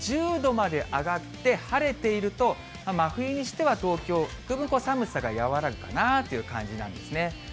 １０度まで上がって晴れていると、真冬にしては東京、寒さが和らぐかなという感じなんですね。